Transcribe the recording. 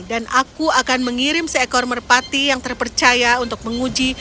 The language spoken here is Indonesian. dan aku akan mengirim seekor merpati yang terpercaya untuk menguji